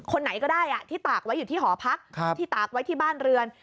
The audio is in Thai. ไหนก็ได้ที่ตากไว้อยู่ที่หอพักที่ตากไว้ที่บ้านเรือน